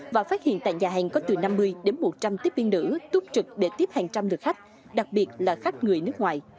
và phát hiện tại nhà hàng có từ năm mươi đến một trăm linh tiếp viên nữ túc trực để tiếp hàng trăm lực khách đặc biệt là khách người nước ngoài